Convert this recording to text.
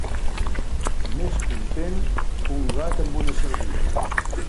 Més content que un gat amb una sardina.